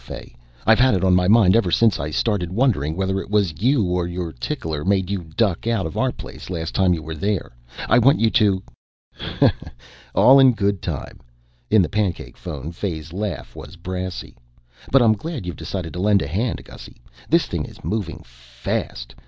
Fay, I've had it on my mind ever since I started wondering whether it was you or your tickler made you duck out of our place last time you were there. I want you to " "Ha ha! All in good time." In the pancake phone Fay's laugh was brassy. "But I'm glad you've decided to lend a hand, Gussy. This thing is moving faaaasst.